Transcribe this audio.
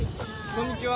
こんにちは！